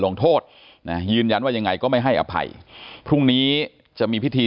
ลงโทษนะยืนยันว่ายังไงก็ไม่ให้อภัยพรุ่งนี้จะมีพิธี